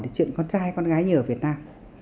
về chuyện con trai hay con gái như ở việt nam